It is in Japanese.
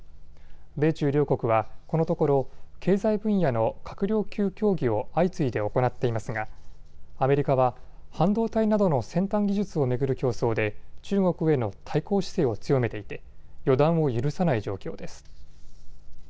米中両国はこのところ経済分野の閣僚級協議を相次いで行っていますがアメリカは半導体などの先端技術を巡る競争で中国への対抗姿勢を強めていて予断を許さない状況です。